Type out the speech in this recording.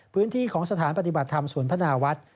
พื้นที่ของสถานปฏิบัติธรรมสวนพนาวัฒน์